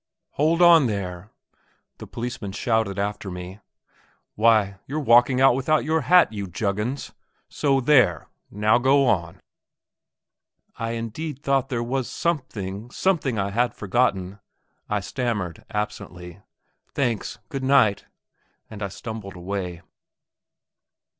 "Hold on there!" the policeman shouted after me; "why, you're walking off without your hat, you Juggins! So h there; now, go on." "I indeed thought there was something something I had forgotten," I stammered, absently. "Thanks, good night!" and I stumbled away.